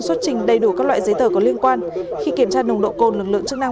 xuất trình đầy đủ các loại giấy tờ có liên quan khi kiểm tra nồng độ cồn lực lượng chức năng